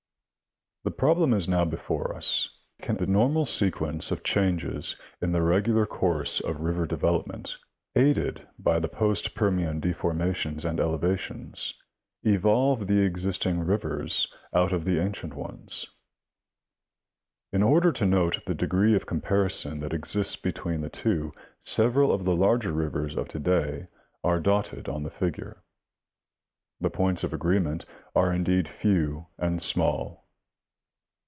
—: The problem is now before us. Can the normal sequence of changes in the regular course of river development, aided by the post Permian deformations and elevations, evolve the existing rivers out of the ancient ones ? In order to note the degree of comparison that exists between the two, several of the larger rivers of to day are dotted on the figure. The points of agreement are indeed few and small.